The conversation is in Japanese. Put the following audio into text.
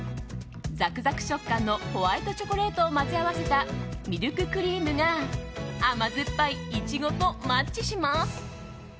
ザクザク食感のホワイトチョコレートを混ぜ合わせたミルククリームが甘酸っぱいイチゴとマッチします。